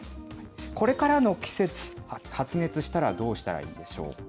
これからの季節、発熱したらどうしたらいいでしょうか。